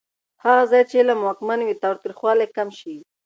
هغه ځای چې علم واکمن وي، تاوتریخوالی کم شي.